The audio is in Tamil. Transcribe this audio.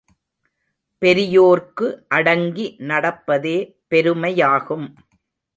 பெரியோர்க்கு அடங்கி நடப்பதே பெருமையாகும்.